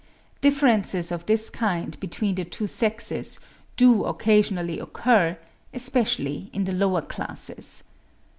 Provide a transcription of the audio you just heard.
Differences of this kind between the two sexes do occasionally occur, especially in the lower classes.